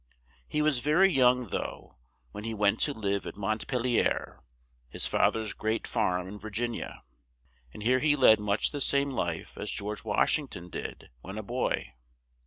He was ver y young, though, when he went to live at Mont pel ier, his fath er's great farm in Vir gin i a, and here he led much the same life as George Wash ing ton did when a boy.